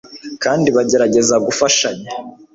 kandi bagerageza gufashanya